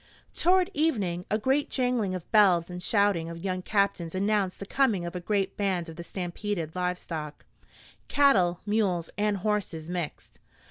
Toward evening a great jangling of bells and shouting of young captains announced the coming of a great band of the stampeded livestock cattle, mules and horses mixed.